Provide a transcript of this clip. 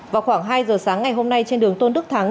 vào khoảng hai giờ sáng ngày hôm nay trên đường tôn đức thắng